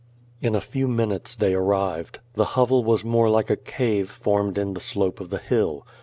In a few minutes they arrived. The hovel was more like a cave formed in the slope of the hill.